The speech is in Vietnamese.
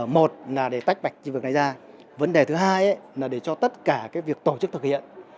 một là để tách mạch lĩnh vực này ra vấn đề thứ hai là để cho tất cả cái việc tổ chức thực hiện